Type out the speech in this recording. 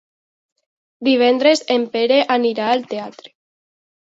Divendres en Pere anirà al teatre.